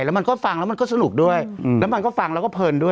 แล้วมันก็ฟังแล้วมันก็สนุกด้วยแล้วมันก็ฟังแล้วก็เพลินด้วย